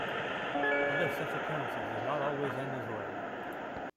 Other such occurrences did not always end as well.